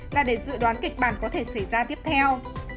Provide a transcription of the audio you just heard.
là để dự đoán kịch bản có thể xảy ra tiếp theo